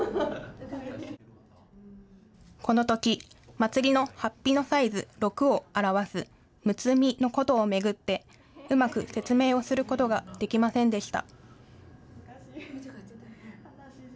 祭りのはっぴのサイズ、６を表す、六つ身のことを巡って、うまく説明をすることができませんでした。